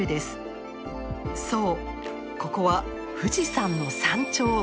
そうここは富士山の山頂。